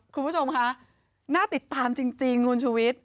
คุณผู้ชมคะน่าติดตามจริงคุณชุวิต